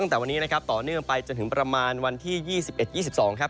ตั้งแต่วันนี้นะครับต่อเนื่องไปจนถึงประมาณวันที่๒๑๒๒ครับ